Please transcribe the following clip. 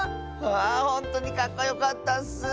あほんとにかっこよかったッス！